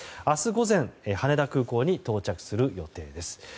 明日午前、羽田空港に到着する予定です。